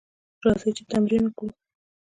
راځئ چې تمرین وکړو: